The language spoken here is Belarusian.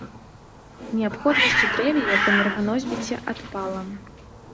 Неабходнасць у дрэве як энерганосьбіце адпала.